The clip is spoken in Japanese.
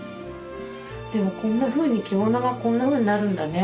でもこんなふうに着物がこんなふうになるんだね。